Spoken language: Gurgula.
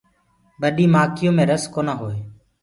ٻڏي مآکيو مي رس کونآ هوئي۔